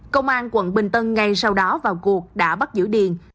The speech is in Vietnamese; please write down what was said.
công an quận bình tân ngay sau đó vào cuộc đã bắt giữ điền